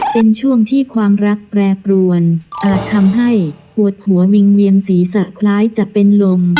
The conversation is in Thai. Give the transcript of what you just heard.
เป็นช่วงที่ความรักแปรปรวนอาจทำให้ปวดหัววิงเวียนศีรษะคล้ายจะเป็นลม